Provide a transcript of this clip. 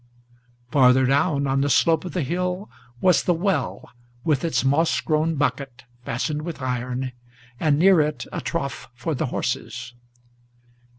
Farther down, on the slope of the hill, was the well with its moss grown Bucket, fastened with iron, and near it a trough for the horses.